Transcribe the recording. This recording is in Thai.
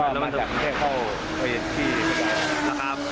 พี่มาจากเมืองเทพฯครับ